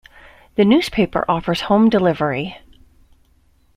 The newspaper offers home delivery.